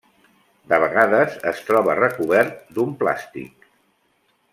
De vegades es troba recobert d'un plàstic.